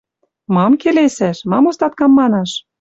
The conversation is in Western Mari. Мам келесӓш? Мам остаткам манаш?